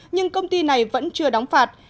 nhưng công ty này vẫn chưa đóng phạt